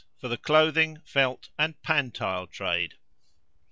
For the clothing, felt, and pantile trade.